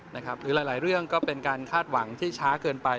หรือหลายเรื่องก็เป็นการคาดหวังที่ช้าเกินไป